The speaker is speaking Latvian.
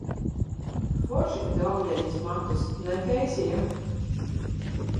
Forši, ka tev apgriezīs matus, ne, Keisija?